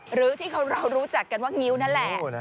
หรือที่เรารู้จักกันว่างิ้วนั่นแหละ